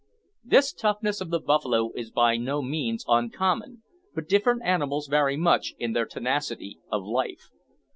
This toughness of the buffalo is by no means uncommon, but different animals vary much in their tenacity of life.